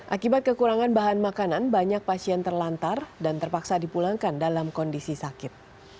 akibat kekurangan bahan makanan banyak pasien terlantar dan terpaksa dipulangkan dalam kondisi sakit